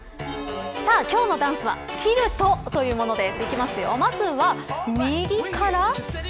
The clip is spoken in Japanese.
今日のダンスはティルトというものです。